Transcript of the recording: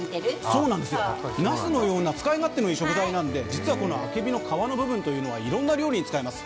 なすのように使い勝手のいい食材で実はこのあけびの皮の部分というのはいろんな料理に使います。